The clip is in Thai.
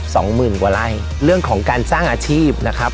สองหมื่นกว่าไร่เรื่องของการสร้างอาชีพนะครับ